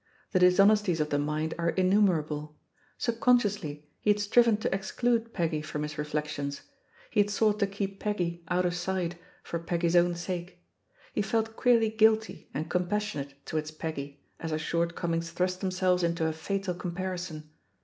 The dishonesties of the mind are innumerable: subconsciously he had striven to exclude Peggy from his reflections ; he had sought to keep Peggy out of sight for Peggy's own sake; he felt queerly guilty and compassionate towards Peggy as her shortcomings thrust them selves into a fatal comparison.